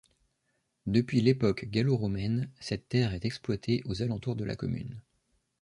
Depuis l’époque gallo-romaine, cette terre est exploitée aux alentours de la commune.